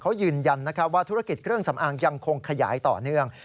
เขายืนยันว่าธุรกิจเครื่องสำอางยังคงขยายต่อเนื่อง